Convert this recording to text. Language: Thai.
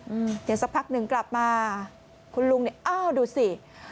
อืมเดี๋ยวสักพักนึงกลับมาคุณลุงเนี่ยเอ้าดูสิ